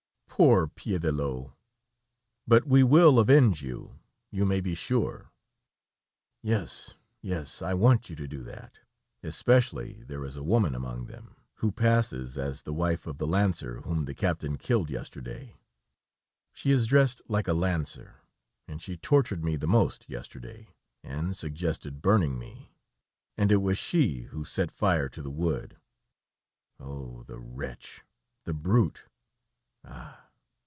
"Poor Piédelot! But we will avenge you, you may be sure!" "Yes, yes, I want you to do that. Especially, there is a woman among them, who passes as the wife of the lancer whom the captain killed yesterday. She is dressed like a lancer, and she tortured me the most yesterday, and suggested burning me, and it was she who set fire to the wood. Oh! the wretch, the brute.... Ah!